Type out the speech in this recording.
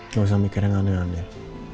jangan mikir yang aneh aneh